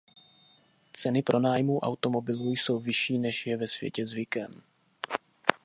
Ceny pronájmu automobilů jsou vyšší než je ve světě zvykem.